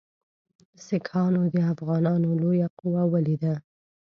سیکهانو د افغانانو لویه قوه ولیده.